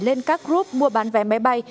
lên các group mua vé máy bay